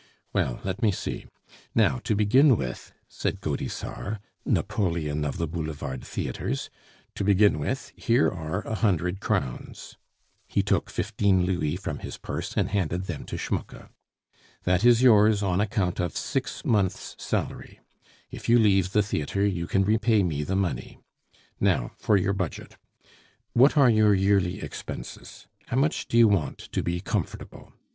"Well. Let me see. Now, to begin with," said Gaudissart, Napoleon of the boulevard theatres, "to begin with, here are a hundred crowns " (he took fifteen louis from his purse and handed them to Schmucke). "That is yours, on account of six months' salary. If you leave the theatre, you can repay me the money. Now for your budget. What are your yearly expenses? How much do you want to be comfortable?